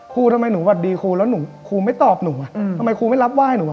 ทำไมหนูหวัดดีครูแล้วครูไม่ตอบหนูอ่ะทำไมครูไม่รับไหว้หนูอ่ะ